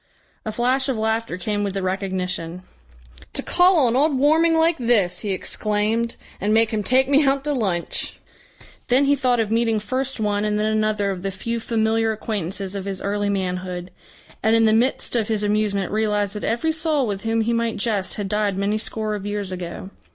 A flash of laughter came with the recognition. "To call on old Warming like this!" he exclaimed, "and make him take me out to lunch!" Then he thought of meeting first one and then another of the few familiar acquaintances of his early manhood, and in the midst of his amusement realised that every soul with whom he might jest had died many score of years ago.